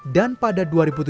dan pada dua ribu tujuh belas